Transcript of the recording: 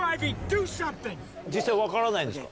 実際分からないんですか？